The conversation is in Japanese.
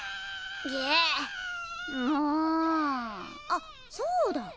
あっそうだ。